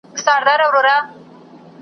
د خوبونو قافلې به دي لوټمه .